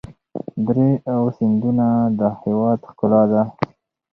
درې او سیندونه د هېواد ښکلا ده.